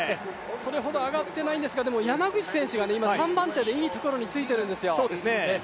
それほど上がってないんですが山口選手が３番手でいいところについているんですよ。